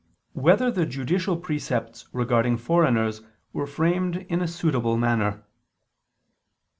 3] Whether the Judicial Precepts Regarding Foreigners Were Framed in a Suitable Manner?